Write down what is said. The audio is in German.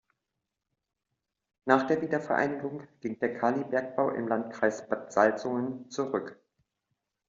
Nach der Wiedervereinigung ging der Kalibergbau im Landkreis Bad Salzungen zurück.